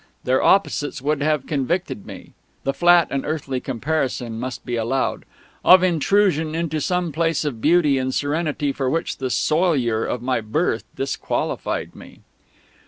Their opposites would have convicted me (the flat and earthly comparison must be allowed) of intrusion into some Place of beauty and serenity for which the soilure of my birth disqualified me.